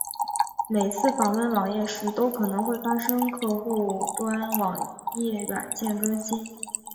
每次访问网页时都可能会发生客户端网页软件更新。